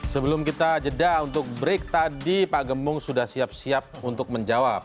sebelum kita jeda untuk break tadi pak gembong sudah siap siap untuk menjawab